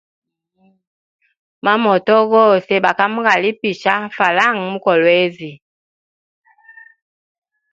Ma moto gose bakwete mugalipisha falanga mu kolwezi.